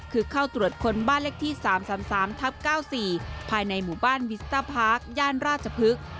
คือเข้าตรวจค้นบ้านเลขที่๓๓ทับ๙๔ภายในหมู่บ้านวิสต้าพาร์คย่านราชพฤกษ์